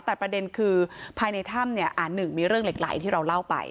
แต่ประเด็นคือภายในถ้ำเนี่ยหนึ่งมีเรื่องเหล็กไหลที่เราเล่าไป